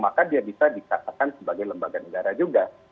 maka dia bisa dikatakan sebagai lembaga negara juga